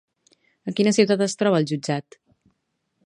A quina ciutat es troba el jutjat?